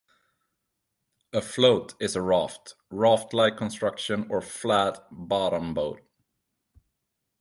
A "float" is a raft, raft-like construction or flat bottom boat.